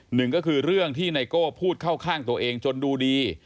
หนึ่งก็คือเรื่องที่ไนโก้พูดเข้าข้างตัวเองจนดูดี